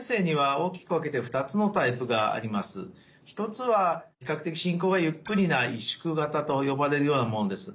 １つは比較的進行がゆっくりな萎縮型と呼ばれるようなものです。